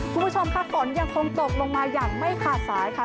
คุณผู้ชมค่ะฝนยังคงตกลงมาอย่างไม่ขาดสายค่ะ